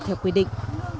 theo quy định